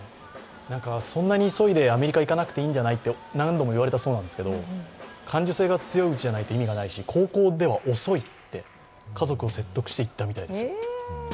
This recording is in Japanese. そんなに急いでアメリカ行かなくていいんじゃない？って、何度も言われたそうなんですけど、感受性が強いうちじゃないと意味がないし、高校では遅いって家族を説得して行ったみたいですよ。